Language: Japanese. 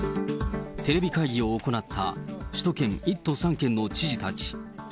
テレビ会議を行った首都圏１都３県の知事たち。